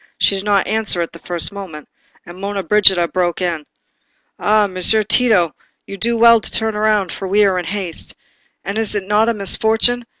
She did not answer at the first moment, and Monna Brigida broke in. "Ah, Messer Tito, you do well to turn round, for we are in haste. And is it not a misfortune?